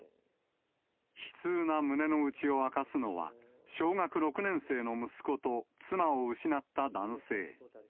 悲痛な胸の内を明かすのは、小学６年生の息子と妻を失った男性。